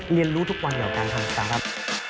เรียนรู้ทุกวันเกี่ยวกันทางสตาร์ทอัพ